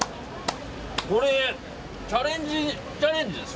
これチャレンジです。